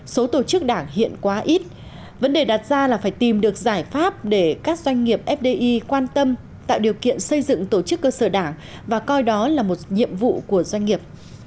số tổ chức đảng hiện quá ít vấn đề đặt ra là phải tìm được giải pháp để các doanh nghiệp fdi quan tâm tạo điều kiện xây dựng tổ chức cơ sở đảng và coi đó là một nhiệm vụ của doanh nghiệp